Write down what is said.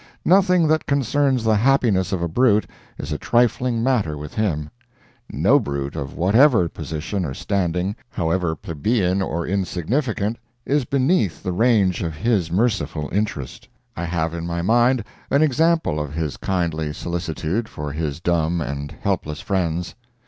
Nothing that concerns the happiness of a brute is a trifling matter with him—no brute of whatever position or standing, however plebeian or insignificant, is beneath the range of his merciful interest. I have in my mind an example of his kindly solicitude for his dumb and helpless friends.